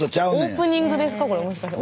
オープニングですかこれもしかして。